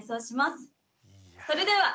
それでは。